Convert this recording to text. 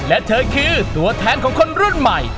และเธอคือตัวแทนของคนรุ่นใหม่